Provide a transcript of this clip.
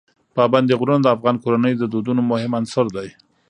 پابندي غرونه د افغان کورنیو د دودونو مهم عنصر دی.